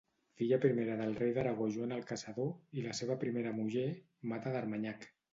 Filla primera del rei d'Aragó Joan el Caçador i la seva primera muller, Mata d'Armanyac.